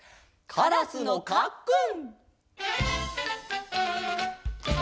「カラスのかっくん」